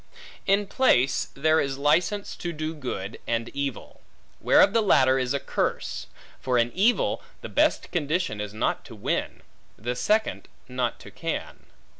In place, there is license to do good, and evil; whereof the latter is a curse: for in evil, the best condition is not to win; the second, not to can.